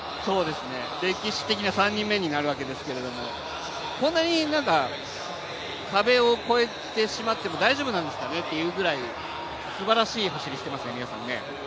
歴史的な３人目になるわけですけれども、こんなに壁を越えてしまっても大丈夫なんですかねってくらいすばらしい走りしていますね、皆さんね。